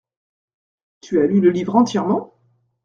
Tu as lu le livre entièrement ?